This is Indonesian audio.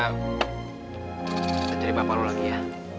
kita cari bapak lu lagi ya